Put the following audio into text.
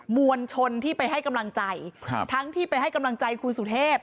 มวลชนที่ไปให้กำลังใจครับทั้งที่ไปให้กำลังใจคุณสุเทพ